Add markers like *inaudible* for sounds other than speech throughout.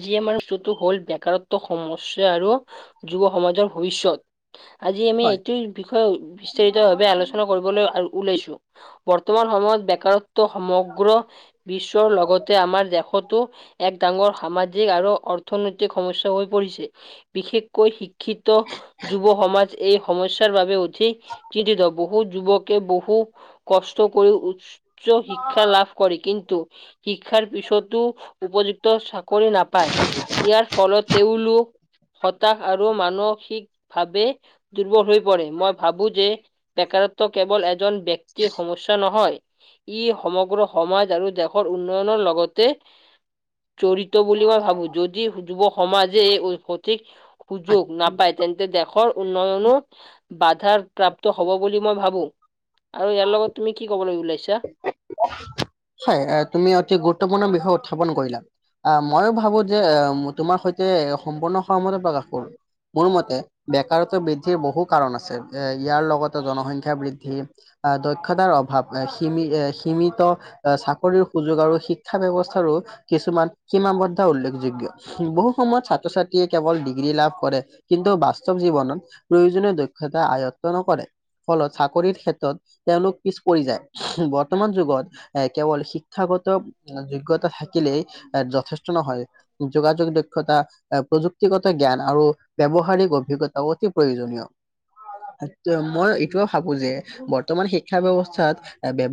আজি আমাৰ *unintelligible* হ'ল বেকাৰত্ব সমস্যা আৰু যুৱ সমাজৰ ভৱিষ্যত। আজি আমি এইটোৰ বিষয়ে বিস্তাৰিত ভাৱে আলোচনা কৰিবলৈ আৰু ওলাইছোঁ, বৰ্তমান সময়ত বেকাৰত ত সমগ্ৰ বিশ্বৰ লগতে আমাৰ দেশতো এক ডাঙৰ সামাজিক আৰু অৰ্থনৈতিক সমস্যা হৈ পৰিছে। বিশেষকৈ শিক শিক্ষিত যুৱ সমাজ এই সমস্য স্যাৰ বাবে অধিক চিন্তিত। বহু যুৱকে বহু কষ্ট কৰি উ উচ্চ শিক্ষা লাভ কৰে, কিন্তু শিক্ষাৰ পিছতো উপযুক্ত চাক কৰি নাপাই। ইয়াৰ ফলত তেওঁলোক হতাশ আৰু আৰু মানসিক ভাৱে দুৰ্বল হৈ পৰে, মই ভাবোঁ যে বেকাৰত্ব কেৱল এজন ব্যক্তিৰ সমস্যা নহয়। ই সমগ্ৰ সমাজ আৰু দেশৰ উন্নয়নৰ লগতে, জৰিত ত বুলি মই ভাবোঁ, যদি যুৱ সমাজে এই সঠিক সুযোগ নাপায়, তেন্তে দেশৰ উন্নয়নো বাধাৰ প্ৰাপ্ত হ'ব বুলি মই ভাবো। আৰু ইয়াৰ লগত তুমি কি ক'বলৈ ওলাইছা? হয়, তুমি অতি গুৰুত্বপূৰ্ণ বিষয় উত্থাপন কৰিলা। আ, মইয়ো ভাবো যে তোমাৰ সৈতে সম্পূৰ্ণ সহমতে প্ৰকাশ কৰোঁ। মোৰ মতে বেকাৰত্ব বৃদ্ধিৰ বহু কাৰণ আছে। এ ইয়াৰ লগতে জনসংখ্যা বৃদ্ধি আ, দক্ষতাৰ অভাৱ। সীমি-সীমিত চাকৰিৰ সুযোগ আৰু শিক্ষা ব্যৱস্থাৰো কিছুমান সীমাবদ্ধ উল্লেখযোগ্য। বহু সময়ত ছাত্ৰ ছাত্ৰীয়ে কেৱল ডিগ্ৰী লাভ কৰে, কিন্তু বাস্তৱ জীৱনত প্ৰয়োজনীয় দক্ষতা আয়ত্ব নকৰে, ফলত চাকৰিৰ ক্ষেত্ৰত তেওঁলোক পিচ পৰি যায়। বৰ্তমান যুগত এ কেৱল শিক্ষাগত যোগ্যতা থাকিলেই যথেষ্ট নহয়, যোগাযোগ দক্ষতা প্ৰযুক্তিগত জ্ঞান আৰু ব্যৱহাৰিক অভিজ্ঞতাও অতি প্ৰয়োজনীয়। মই এইটোয়ে ভাবোঁ যে, বৰ্তমান শিক্ষা ব্যৱ চাৰত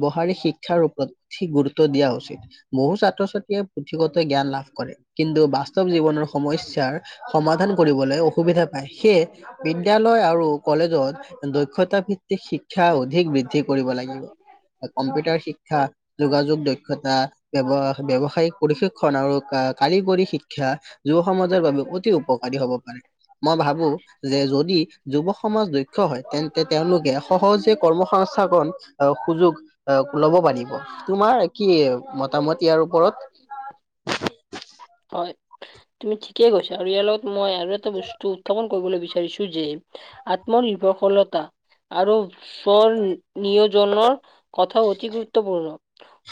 ব্যৱহাৰিক শিক্ষাৰ ওপৰত সি গুৰুত্ব দিয়া উচিত। বহু ছাত্ৰ ছাত্ৰীয়ে পুথিগত জ্ঞান লাভ কৰে, কিন্তু বাস্তৱ জীৱনৰ সমস্যাৰ সমাধান কৰিবলৈ অসুবিধা পায়, সেয়ে বিদ্যালয়ত আৰু কলেজত দক্ষতা ভিত্তিক শিক্ষা অধিক বৃদ্ধি কৰিব লাগে। কম্পিউটাৰ শিক্ষা, যোগাযোগ দক্ষতা বৱ ব্যৱসায়িক প্ৰশিক্ষণ আৰু কাৰিকৰী শিক্ষা যুৱ সমাজৰ বাবে অতি উপকাৰী হ'ব পাৰে। মই ভাবো যে যদি যুৱ সমাজ দক্ষ হয়, তেন্তে তেওঁলোকে সহজে কৰ্মসস্থাপন সুযোগ ল'ব পাৰিব, তোমাৰ কি মতামত ইয়াৰ ওপৰত। হয়, তুমি ঠিকেই কৈছা আৰু ইয়াৰ লগত মই আৰু এটা বস্তু উত্থাপন কৰিবলৈ বিচাৰিছো যে আত্মনিৰ্ভৰশলতা আৰু সৰ নিয়োজনৰ কথা অতি গুৰুত্বপূৰ্ণ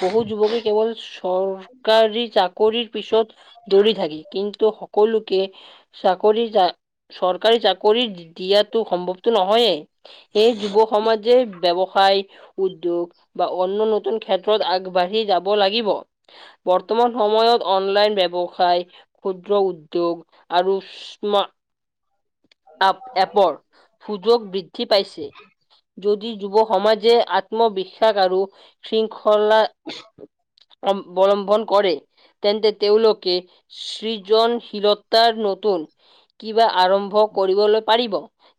বহু যুৱকে কেৱল চৰকাৰী চৰকাৰী কৰি পিছত দৌৰি থাকে কিন্তু সকলোকে চাকৰি চৰকাৰী চাকৰি দিয়াটো সম্ভৱতো নহয়েই সেই যুৱ সমাজে ব্যৱসায়, উদ্যোগ বা অন্য নতুন ক্ষেত্ৰত আগবাঢ়ি যাব লাগিব। বৰ্তমান সময়ত অনলাইন ব্যৱসায় ক্ষুদ্ৰ উদ্যোগ আৰু স্মা আপ এপৰ সুযোগ বৃদ্ধি পাইছে যদি যুৱ সমাজে আত্মবিশ্বাস আৰু শৃংখলা অৱলম্বন কৰে, তেন্তে তেওঁলোকে সৃজনশীলত তাৰ নতুন কিবা আৰম্ভ ক কৰিবলৈ পাৰিব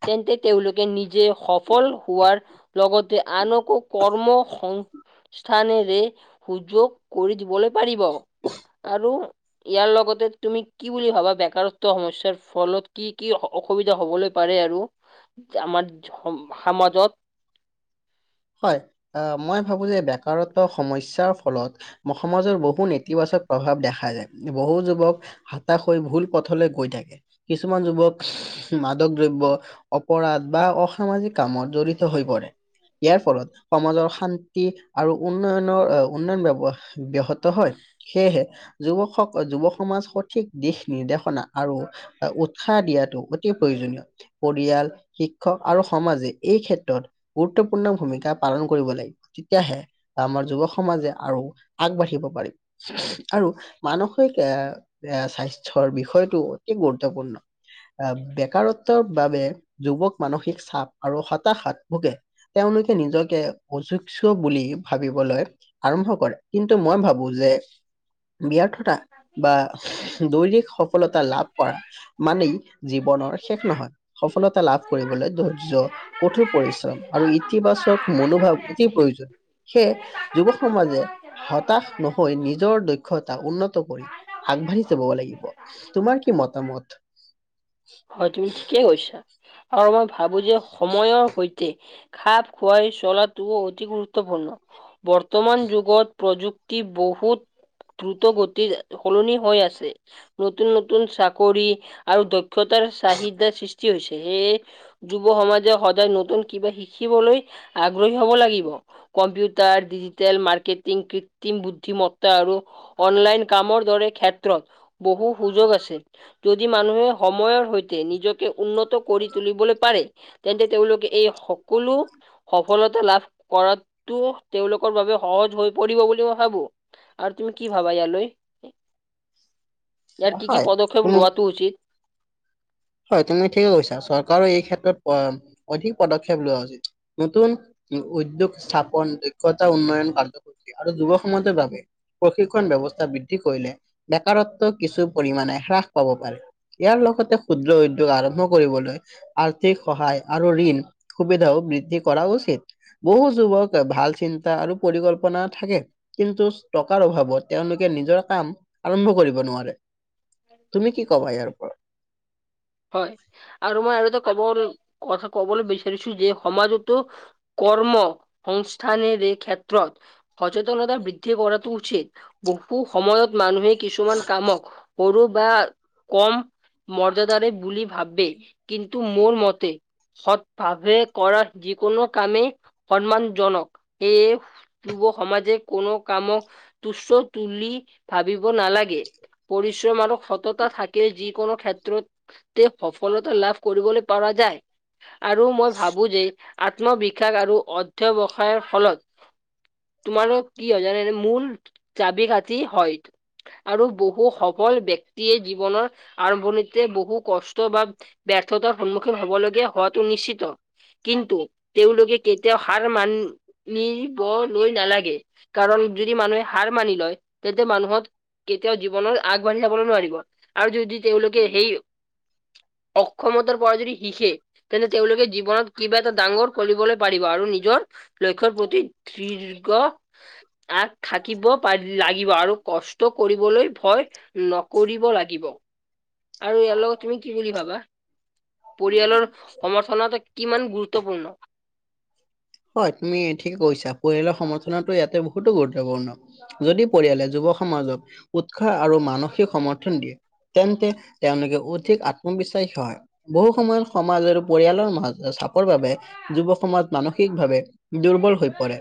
তেন্তে তেওঁলোকে নিজে সফল হোৱাৰ লগতে আনকো কৰ্ম সস্থআনেৰে সুযোগ কৰী দিবলে পাৰিব আৰু ইয়াৰ লগতে তুমি কি বুলি ভাবা বেকাৰত্ব সমস্যাৰ ফলত কি? কি ও -অসুবিধা হবলৈ পাৰে আৰু আমাৰ সমাজত হয় আহ মই ভাবো যে বেকাৰত সমস্যাৰ ফলত সমাজৰ বহু নেতিবাচক প্ৰভাৱ দেখা যায় বহু যুৱক হাতাশ হৈ ভুল পথলৈ গৈ থাকে কিছুমান যুৱক মাদক দ্ৰব্য অপৰাধ বা অসামাজিক কামত জড়িত হৈ পৰে। ইয়াৰ ফলত সমাজৰ শান্তি আৰু উন্নয়নৰ উন্নয়ন ব্যয় ব্যাহত হয় সেয়েহে যুৱক স যুৱ সমাজ সঠিক দিশ নিৰ্দেশনা আৰু উৎসাহ দিয়াটো অতি প্ৰয়োজনীয়। পৰিয়াল শিক্ষক আৰু সমাজে এই ক্ষেত্ৰত গুৰুত্বপূৰ্ণ। পূৰ্ণ ভূমিকা পালন কৰিব লাগিব তেতিয়াহে আমাৰ যুৱ সমাজে আৰু আগবাঢ়িব পাৰিব আৰু মানসিক স্বাস্থ্যৰ বিষয়টো অতি গুৰুত্বপূৰ্ণ আহ বেকাৰত্বৰ বাবে যুৱক মানসিক চাপ আৰু হতাশাত ভোগে তেওঁলোকে নিজকে অযোগ্য বুলি ভাবিবলৈ আৰম্ভ কৰে কিন্তু মই ভাবো যে ব্যৰ্থতা বা দৈনিক সফলতা লাভ কৰা মানেই জীৱনৰ শেষ নহয়। সফলতা লাভ কৰিবলৈ ধৈৰ্য্য কঠোৰ পৰিশ্ৰম। আৰু ইতিবাচক মনোভাৱ অতি প্ৰয়োজন। সেইয়ে যুৱ সমাজে হতাশ নহৈ নিজৰ দক্ষতা উন্নত কৰি- আগবাঢ়ি যাবগে লাগিব। তোমাৰ কি মতামত? হয়, তুমি ঠিকেই কৈছা আৰু মই ভাবোঁ যে সময়ৰ সৈতে- খাপ খুৱাই চলাটোও অতি গুৰুত্বপূৰ্ণ। বৰ্তমান যুগত প্ৰযুক্তি বহুত- দ্ৰুত গতি সলনি হৈ আছে, নতুন নতুন চাকৰি আৰু দক্ষ তাৰ চাহিদাৰ সৃষ্টি হৈছে। সেইয়ে- যুৱ সমাজে সদায় নতুন কিবা শিকিবলৈ আগ্ৰহী হ'ব লাগিব। কম্পিউটাৰ, ডিজিটেল মাৰ্কেটিং, কৃত্ৰিম বুদ্ধিমত্তা আৰু- অনলাইন কামৰ দৰে ক্ষেত্ৰত- বহু সুযোগ আছে, যদি মানুহে সময়ৰ সৈতে নিজ- কে উন্নত কৰি তুলিবলৈ পাৰে তেন্তে তেওঁলোকে এই সকলো- সফলতা লাভ কৰাটো তেওঁলোকৰ বাবে সহজ হৈ পৰিব বুলি মই ভাবোঁ। আৰু তুমি কি ভাবা ইয়ালৈ, ইয়াৰ কি কি হয় পদক্ষেপ তুমি লোৱাটো উচিত? হয়, তুমি ঠিকে কৈছা, চৰকাৰৰ এই ক্ষেত্ৰত অধিক পদক্ষেপ লোৱা উচিত। নতুন- উদ্যোগ স্থাপন, দক্ষতা উন্নয়ন, কাৰ্যসূচী আৰু যুৱ সমাজৰ বাবে- প্ৰশিক্ষণ ব্যৱস্থা বৃদ্ধি কৰিলে বেকাৰত্ব কিছু পৰিমণে হ্ৰাস পাব পাৰে। ইয়াৰ লগতে ক্ষুদ্ৰ উদ্যোগ আৰম্ভ কৰিবলৈ- আৰ্থিক সহায় আৰু ঋণ সুবিধাও বৃদ্ধি কৰা উচিত। বহু যুৱক ভাল চিন্তা আৰু পৰিকল্পনা থাকে। কিন্তু টকাৰ অভাৱত তেওঁলোকে নিজৰ কাম আৰম্ভ কৰিব নোৱাৰে। তুমি কি কবা এইয়াৰ ওপৰত? হয় আৰু মই আৰু এটা কেৱল কথা ক'বলৈ বিচাৰিছো যে সমাজতো- কৰ্ম সংস্থানে এই ক্ষেত্ৰত- সচেতনতা বৃদ্ধি কৰাটো উচিত। বহু সময়ত মানুহে কিছুমান কামক- সৰু বা কম মৰ্যাদাৰে বুলি ভাবে কিন্তু মোৰ মতে- সৎ ভাৱে কৰা যিকোনো কামেই সন্মানজনক। সেয়ে পূৱ সমাজে কোনো কামক তুচ্ছ বুলি ভাবিব নালাগে। পৰিশ্ৰম আৰু সততা থাকে যিকোনো ক্ষেত্ৰত- তে সফলতা লাভ কৰিবলৈ পাৰা যায়। আৰু মই ভাবো যে আত্মবিশ্বাস আৰু অধ্যয়ৱসায়ৰ ফলত- তোমাৰো কি হয় জানেনে মূল চাবি কাটি হয় আৰু বহু- বহু সফল ব্যক্তিয়ে জীৱনৰ আৰম্ভণিতে বহু কষ্ট বা- ব্যৰ্থতাৰ সন্মুখীন হ'বলগীয়া হোৱাটো নিশ্চিত। কিন্তু- তেওঁলোকে কেতিয়াও সাৰ মানিব লৈ নালাগে। কাৰণ যদি মানুহে হাৰ মানি লয় তেন্তে মানুহত কেতিয়াও- জীৱনত আগবাঢ়ি যাবলৈ নোৱাৰিব আৰু যদি তেওঁলোকে সেই- অক্ষমতাৰ পৰা যদি শিকে তেন্তে তেওঁলোকে জীৱনত কিবা এটা ডাঙৰ- কৰিবলৈ পাৰিব আৰু নিজৰ লক্ষ্যয়ৰ প্ৰতি তিৰ্ঘ- আগ থাকিব বা লাগিব আৰু কষ্ট কৰিবলৈ- ভয় নকৰিব লাগিব আৰু ইয়াৰ লগত তুমি কি বুলি ভাবা? পৰিয়ালৰ সমৰ্থন কিমান গুৰুত্বপূৰ্ণ? হয়, তুমি ঠিকে কৈছা, পৰিয়ালৰ সমৰ্থনো ইয়াতে বহুতো গুৰুত্বপূৰ্ণ। যদি পৰিয়ালে যুৱ সমাজক উৎসাহ আৰু মানসিক সমৰ্থন দিয়ে- তেন্তে তেওঁলোকে অধিক আত্মবিশ্বাসী হয়। বহু সময়ত সমাজ আৰু পৰিয়ালৰ মাজ চাপৰ বাবে যুৱ সমাজ মানুহ- সিক ভাৱে দুৰ্বল হৈ পৰে।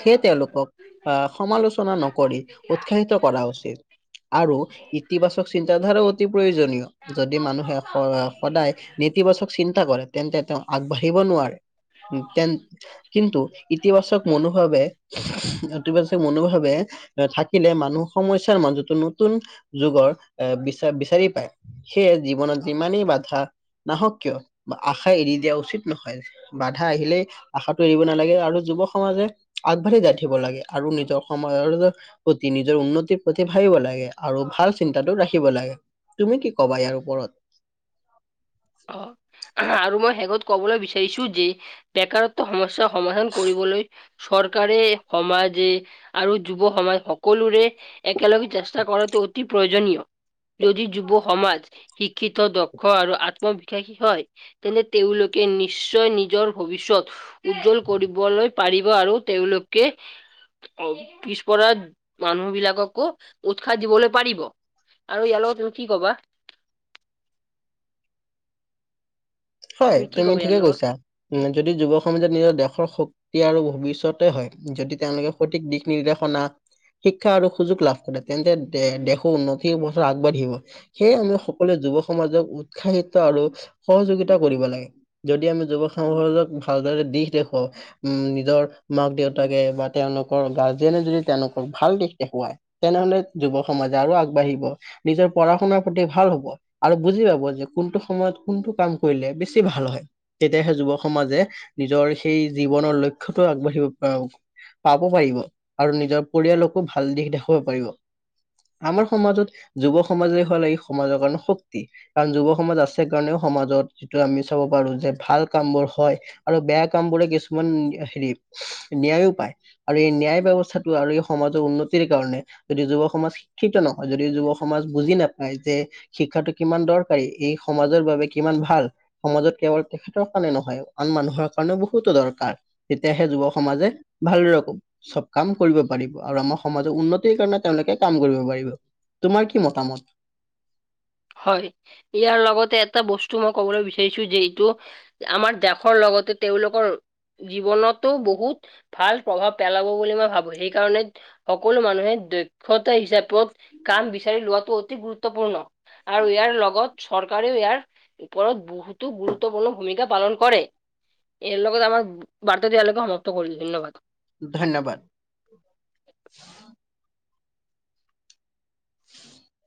সেয়ে তেওঁলোকক আহ সমালোচনা নকৰি উৎসাহিত কৰা উচিত। আৰু ইতিবাচক চিন্তাধাৰা অতি প্ৰয়োজনীয়। যদি মানুহে সদায় নেতিবাচক চিন্তা কৰে, তেন্তে তেওঁ আগবাঢ়িব নোৱাৰে। উম' তেন- কিন্তু, ইতিবাচক মনোভাৱে ইতিবাচক মনোভাৱে- থাকিলে মানুহ সমস্যাৰ মাজতো নতুন যুগৰ এ বিচা বিচাৰি পায়। সেয়ে জীৱনত যিমানেই বাধা নাহক কিয় বা আশা এৰি দিয়া উচিত নহয়। বাধা আহিলেই- আশাটো এৰিব নালাগে আৰু যুৱ সমাজে আগবাঢ়ি যাঠিব লাগে আৰু নিজৰ সমাজৰ- প্ৰতি নিজৰ উন্নতিৰ প্ৰতি ভাবিব লাগে আৰু ভাল চিন্তাটো ৰাখিব লাগে। তুমি কি কবা এয়াৰ ওপৰত? অ আৰু মই শেষত কবলৈ বিচাৰিছো যি- বেকাৰত্ব সমস্যা সমাধান কৰিবলৈ- চৰকাৰে সমাজে আৰু যুৱ সমাজ সকলোৰে- একেলগে চেষ্টা কৰাটো অতি প্ৰয়োজনীয়। যদি যুৱ সমাজ শিক্ষিত দক্ষ আৰু আত- ম বিশ্বাসী হয়, তেন্তে তেওঁলোকে নিশ্চয় নিজৰ ভৱিষ্যত- উজ্জ্বল কৰিবলৈ পাৰিব আৰু তেওঁলোকে- অ পিছপৰা মানুহবিলাককো উৎসাহ দিবলৈ পাৰিব। আৰু ইয়াৰ লগত তুমি কি ক'বা? হয়, কি তুমি কবা ইয়াৰ ঠিকে লগত? কৈছা। যদি যুৱ সমাজে নিজৰ দেশৰ হক- ই আৰু ভৱিষ্যতে হয়, যদি তেওঁলোকে সঠিক দিশ নিৰ্দেশনা- শিক্ষা আৰু সুযোগ লাভ কৰে, তেন্তে দেশো উন্নতি হ'ব চৌ আগবাঢ়িব। সেয়ে আমি সকলোৱে যুৱ সমাজক উৎসাহিত আৰু সহযোগিতা কৰিব লাগে। যদি আমি যুৱক সমাজক ভালদৰে দিশ দেখুৱাও- উম নিজৰ মাক দেউতাকে বা তেওঁলোকৰ গাৰ্জেনে যদি তেওঁলোকক ভাল দিশ দেখুৱাই, - তেনেহলে যুৱ সমাজে আৰু আগবাঢ়িব। নিজৰ পঢ়া শুনাৰ প্ৰতি ভাল হব আৰু বুজি পাব যে কোনটো সময়ত কোনটো কাম- কৰিলে বেছি ভাল হয়। তেতিয়াহে যুৱ সমাজে নিজৰ সেই জীৱনৰ লক্ষয়টো আগবাঢ়িব পা- পাব পাৰিব আৰু নিজৰ পৰিয়ালকো ভাল দিশ দেখুৱাব পাৰিব। আমাৰ সমাজত যুৱ সমাজে হল এই সমাজৰ কাৰণে শক্তি। কাৰণ যুৱ সমাজ আছে কাৰণেও সমাজত যিটো আমি চাব পাৰো যে ভাল কাম বোৰ হয়। আৰু বেয়া কাম বোৰে কিছুমান হেৰি ন্যায়ো পায়। আৰু এই ন্যায় ব্যৱস্থাটো আৰু এই সমাজৰ উন্নতিৰ কাৰণে যদি যুৱ সমাজ- শিক্ষিত নহয়, যদি যুৱ সমাজ বুজি নাপায় যে- শিক্ষাটো কিমান দৰকাৰী এই সমাজৰ বাবে কিমান ভাল। সমাজত কেৱল তেখেতৰ কাৰণে নহয়, আন মানুহৰ কাৰণেও বহুতো দৰকাৰ। তেতিয়াহে যুৱক সমাজে ভালদৰে কব। চব কাম কৰিব পাৰিব আৰু আমাৰ সমাজৰ উন্নতিৰ কাৰণে তেওঁলোকে কাম কৰিব পাৰিব। তোমাৰ কি মতামত? হয় ইয়াৰ লগতে এটা বস্তু মই ক'বলৈ বিচাৰিছো যে এইটো আমাৰ দেশৰ লগতে তেওঁলোকৰ জীৱনতো বহুত ভাল প্ৰভাৱ পেলাব বুলি মই ভাবো সেইকাৰণে সকলো মানুহে দক্ষতা হিচাপত কাম বিচাৰি লোৱাটো অতি গুৰুত্বপূৰ্ণ। আৰু ইয়াৰ লগত চৰকাৰেও ইয়াৰ ওপৰত বহুতো গুৰুত্বপূৰ্ণ ভূমিকা পালন কৰে। ইয়াৰ লগত আমাৰ বাৰ্তা দিয়ালোকে সমাপ্ত কৰিল ধন্যবাদ। ধন্যবাদ।